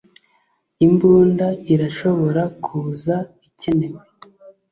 imbunda irashobora kuza ikenewe